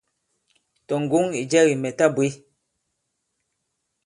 Tɔ̀ ŋgǒŋ ì jɛ kì mɛ̀ ta bwě.».